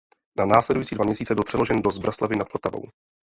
Na následující dva měsíce byl přeložen do Zbraslavi nad Vltavou.